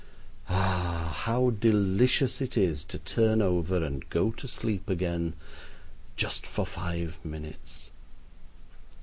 Ah! how delicious it is to turn over and go to sleep again: "just for five minutes."